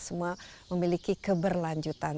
semua memiliki keberlanjutan